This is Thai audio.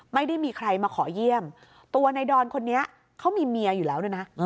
ไม่ได้มีใครมาขอเยี่ยมตัวในดอนคนนี้เขามีเมียอยู่แล้วด้วยนะ